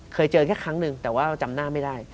เคยเจอแค่ครั้งหนึ่งแต่ว่าจำหน้าไม่ได้